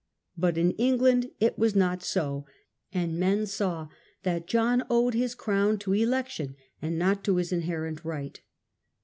But in England it was not so, and men saw that John owed his crown to election and not to his in herent right.